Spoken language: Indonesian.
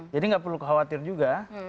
jadi gak perlu khawatir juga